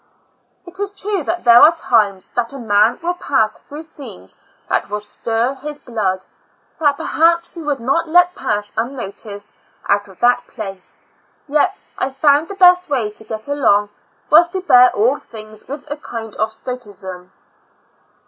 It is true, that there are times that a man will pass through scenes that will stir his blood, that perhaps he would not let pass unnoticed out of that place; yet, I found the best way to get along, was to bear all things with a kind of stoicism.